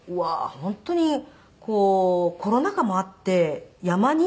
本当にコロナ禍もあって山人気。